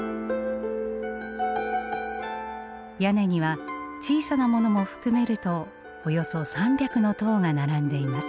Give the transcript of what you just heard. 屋根には小さなものも含めるとおよそ３００の塔が並んでいます。